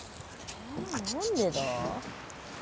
え何でだ？